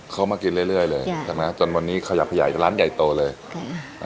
เขามากินเรื่อยเรื่อยเลยใช่ไหมจนวันนี้ขยับขยายร้านใหญ่โตเลยอืม